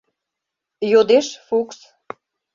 — йодеш Фукс.